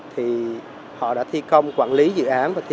họ đã thi công quản lý dự án